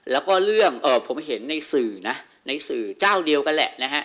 แล้วก็เรื่องผมเห็นในสื่อนะในสื่อเจ้าเดียวกันแหละนะฮะ